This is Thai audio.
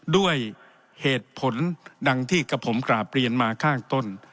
ด้วยเหตุผลดังที่กับผมกราบเรียนมาข้างต้น